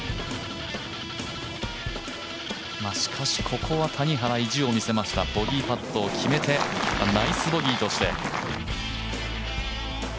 しかしここは谷原意地を見せましたボギーパットを決めてナイスボギーとして。